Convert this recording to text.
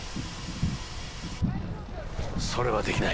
それはできない。